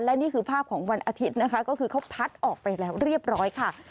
และนี่คือภาพของวันอาทิตย์นะคะก็คือเขาพัดออกไปแล้วเรียบร้อยค่ะ